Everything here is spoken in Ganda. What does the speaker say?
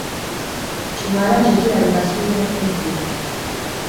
Kiwala kyo kirabika kirina effujjo.